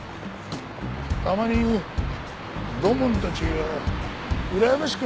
たまに土門たちがうらやましくなるのよ。